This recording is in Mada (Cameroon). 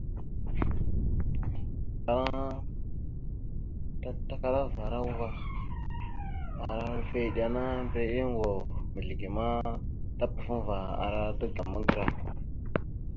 Afalaŋana tatakalavara uvah a ara hœləfe iɗena mbəriɗe ongov mizləge ma tapafaŋva ara daga magəra.